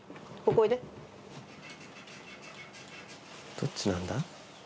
どっちなんだ？